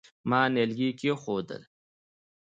ما نيالګي کېښوول.